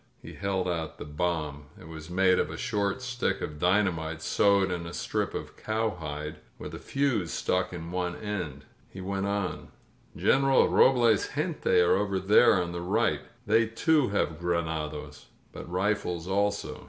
He held out the bomb. It was made of a short stick of dynamite sewed in a strip of cowhide, with a fuse stuck in one end. He went on : "Greneral Robles' gente are over there on the right. They, too, have granados, but rifles also.